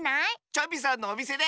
チョビさんのおみせで！